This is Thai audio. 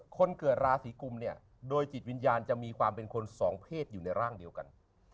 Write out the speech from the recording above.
คนเกิดราศีกุมเนี่ยโดยจิตวิญญาณจะมีความเป็นคนสองเพศอยู่ในร่างเดียวกัน